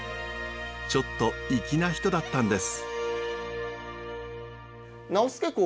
ちょっと粋な人だったんです。